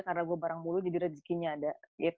karena gue bareng bulu jadi rejekinya ada